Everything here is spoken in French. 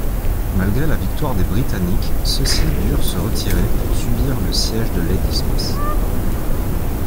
Malgré la victoire britannique, ceux-ci durent se retirer pour subir le siège de Ladysmith.